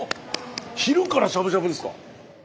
昼からしゃぶしゃぶですか？